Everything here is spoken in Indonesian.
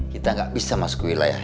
kita nggak bisa masuk ke wilayah